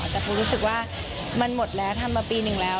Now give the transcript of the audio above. แต่ปูรู้สึกว่ามันหมดแล้วทำมาปีหนึ่งแล้ว